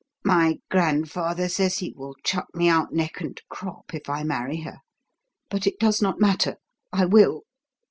"My grandfather says he will 'chuck me out neck and crop' if I marry her; but it does not matter I will!"